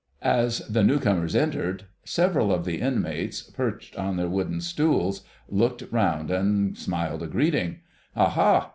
As the new comers entered several of the inmates, perched on their wooden stools, looked round and smiled a greeting. "Ah ha!